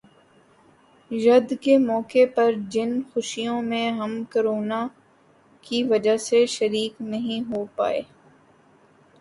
ید کے موقع پر جن خوشیوں میں ہم کرونا کی وجہ سے شریک نہیں ہو پائے